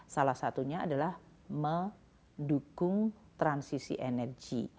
salah satunya adalah mendukung transisi energi